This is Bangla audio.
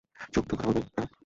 চুপ, তুই কথা বলবি না?